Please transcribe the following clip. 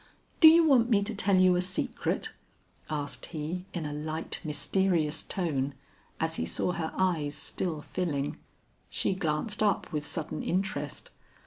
Do you want me to tell you a secret?" asked he in a light mysterious tone, as he saw her eyes still filling. She glanced up with sudden interest.